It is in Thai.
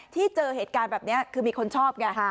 ที่เจอเหตุการณ์แบบนี้คือมีคนชอบไง